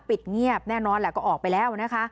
ปิดเงียบแน่นอนแหละก็ออกไปแล้วนะคะ